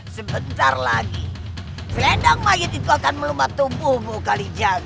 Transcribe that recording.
sebentar lagi selendang mayat itu akan melembab tubuhmu kalijaga